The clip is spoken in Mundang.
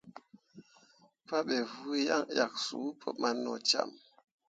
Pabe vuu yaŋ ʼyak suu pǝɓan nocam.